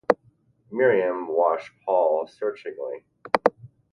Miriam watched Paul searchingly.